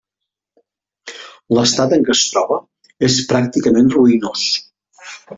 L'estat en què es troba és pràcticament ruïnós.